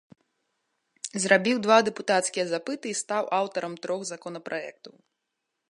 Зрабіў два дэпутацкія запыты і стаў аўтарам трох законапраектаў.